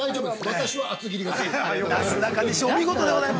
私は厚切りが好きです。